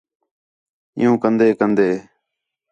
عِیُّوں کندے کندے